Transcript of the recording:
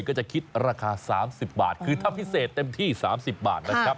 ก็จะคิดราคา๓๐บาทคือถ้าพิเศษเต็มที่๓๐บาทนะครับ